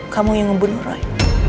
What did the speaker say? kamu yang ngebunuh roy